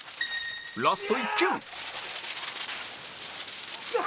ラスト１球